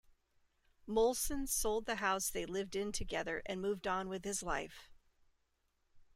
Molson sold the house they lived in together and moved on with his life.